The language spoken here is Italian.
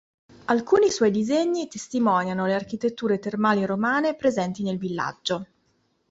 Alcuni suoi disegni testimoniano le architetture termali romane presenti nel villaggio.